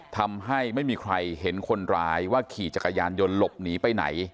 ทำให้ไม่มีใครเห็นคนร้ายว่าขี่จักรยานยนต์หลบหนีไปไหน